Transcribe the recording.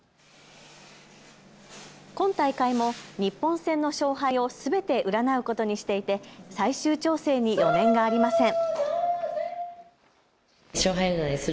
今大会も日本戦の勝敗をすべて占うことにしていて最終調整に余念がありません。